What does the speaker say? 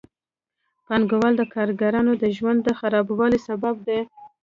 پانګوال د کارګرانو د ژوند د خرابوالي سبب دي